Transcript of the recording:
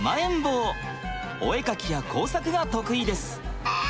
お絵描きや工作が得意です。